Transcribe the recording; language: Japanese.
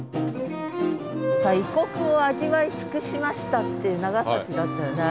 さあ異国を味わい尽くしましたっていう長崎だったよね。